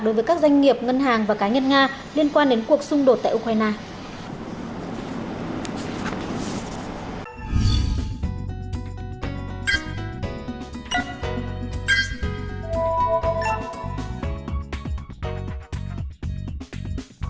đối với các doanh nghiệp ngân hàng và cá nhân nga liên quan đến cuộc xung đột tại ukraine